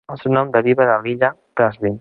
El seu nom deriva de l'illa Praslin.